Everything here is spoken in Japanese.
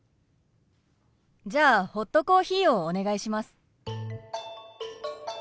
じゃあホットコーヒーをお願いします。